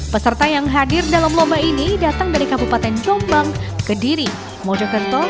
peserta yang hadir dalam lomba ini datang dari kabupaten jombang kediri mojokerto